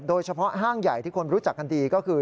โดยเฉพาะห้างใหญ่ที่คนรู้จักกันดีก็คือ